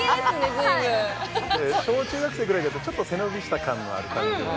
ずいぶんはい小中学生ぐらいだとちょっと背伸びした感のある感じでね